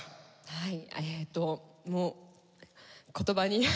はい。